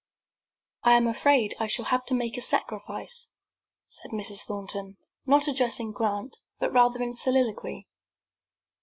"I am afraid I shall have to make a sacrifice," said Mrs. Thornton, not addressing Grant, but rather in soliloquy.